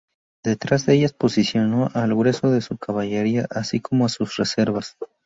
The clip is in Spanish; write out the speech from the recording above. Detrás de ellas posicionó al grueso de su caballería así como a sus reservas.